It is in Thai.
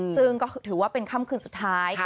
ซึ่งก็ถือว่าเป็นค่ำคืนสุดท้าย